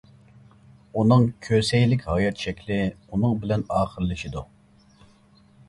ئۇنىڭ «كۆسەي» لىك ھايات شەكلى شۇنىڭ بىلەن ئاخىرلىشىدۇ.